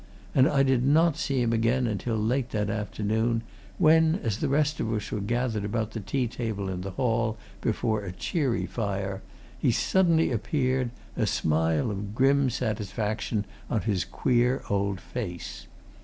And I did not see him again until late that afternoon, when, as the rest of us were gathered about the tea table in the hall, before a cheery fire, he suddenly appeared, a smile of grim satisfaction on his queer old face.